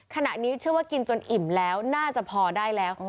ขณะนี้เชื่อว่ากินจนอิ่มแล้วน่าจะพอได้แล้ว